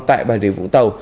tại bài điều vũ tàu